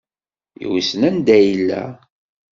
Wissen anda yella.